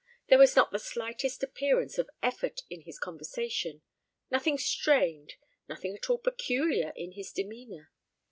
There was not the slightest appearance of effort in his conversation; nothing strained, nothing at all peculiar in his demeanour.